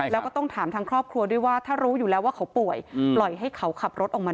แล้วก็ต้องถามทางครอบครัวด้วยว่า